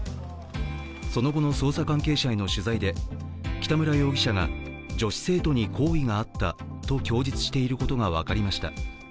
その後の捜査関係者への取材で北村容疑者が女子生徒に好意があったと供述していることが分かりました。